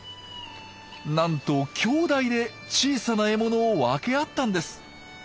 なんと兄弟で小さな獲物を分け合ったんです。